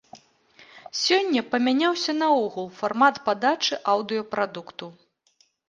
Сёння памяняўся наогул фармат падачы аўдыёпрадукту.